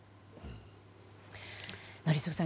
宜嗣さん